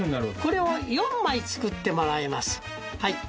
これを４枚作ってもらいます。